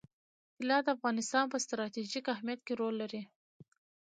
طلا د افغانستان په ستراتیژیک اهمیت کې رول لري.